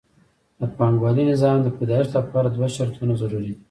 د پانګوالي نظام د پیدایښت لپاره دوه شرطونه ضروري دي